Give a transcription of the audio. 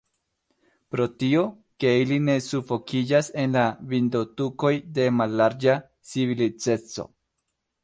Pro tio, ke ili ne sufokiĝas en la vindotukoj de mallarĝa civilizeco.